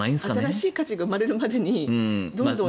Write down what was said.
新しい価値が生まれるまでにどんどん。